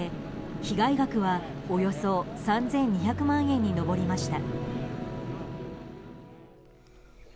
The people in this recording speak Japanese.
被害額はおよそ３２００万円に上りました。